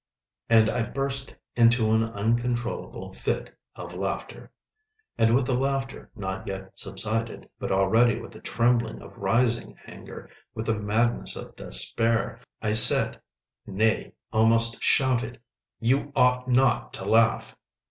And I burst into an uncontrollable fit of laughter. And with the laughter not yet subsided, but already with the trembling of rising anger, with the madness of despair, I said—nay, almost shouted: "You ought not to laugh!"